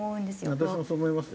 私もそう思いますよ。